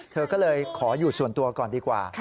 เธอก็เลยขออยู่ส่วนตัวก่อนดีกว่า